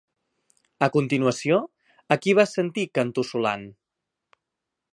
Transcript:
A continuació, a qui va sentir cantussolant?